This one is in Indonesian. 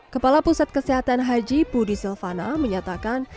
kepala pusat kesehatan haji budi silvana menyatakan